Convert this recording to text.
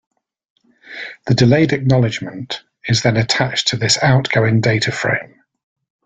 The delayed acknowledgement is then attached to this outgoing data frame.